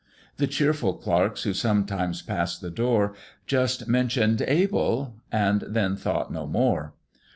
The cheerful clerks who sometimes pass'd the door, Just mention'd "Abel!" and then thought no more.